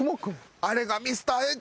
あれがミスターＸや。